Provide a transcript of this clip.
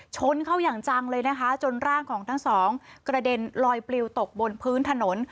ชนเข้าอย่างจังเลยนะคะจนร่างของทั้งสองกระเด็นลอยปลิวตกบนพื้นถนน